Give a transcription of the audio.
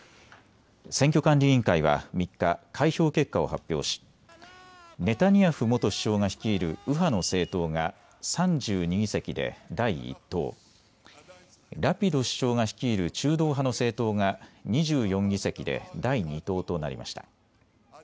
選挙管理委員会は３日、開票結果を発表し、ネタニヤフ元首相が率いる右派の政党が３２議席で第１党、ラピド首相が率いる中道派の政党が２４議席で第２党となりました。